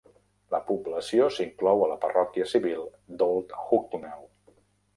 La població s'inclou a la parròquia civil d'Ault Hucknall.